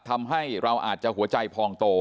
ทำให้เราอาจจะหัวใจพองโต